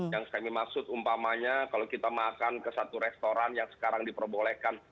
yang kami maksud umpamanya kalau kita makan ke satu restoran yang sekarang diperbolehkan